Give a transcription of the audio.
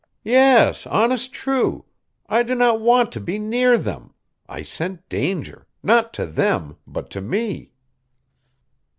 "Yes, honest true! I do not want to be near them. I scent danger; not to them, but to me!"